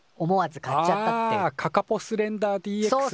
あカカポスレンダーＤＸね。